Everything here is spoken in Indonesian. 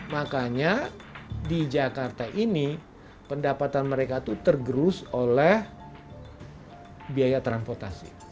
makanya di jakarta ini pendapatan mereka itu tergerus oleh biaya transportasi